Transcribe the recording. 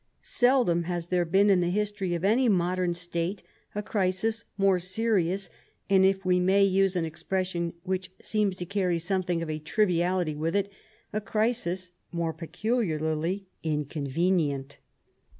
Seldom has there been in the history of any modern state a crisis more serious and, if we may use an ex pression which seems to carry something of triviality with it, a crisis more peculiarly inconvenient.